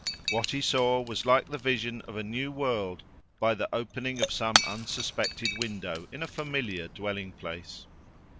What he saw was like the vision of a new world, by the opening of some unsuspected window in a familiar dwelling place.